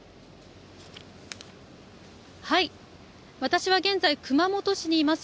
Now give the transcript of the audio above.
私は現在、熊本市にいます。